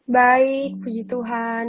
baik puji tuhan